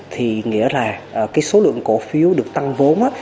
thì nghĩa là cái số lượng cổ phiếu được tăng vốn